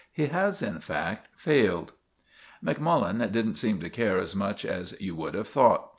He has, in fact, failed." Mac. didn't seem to care as much as you would have thought.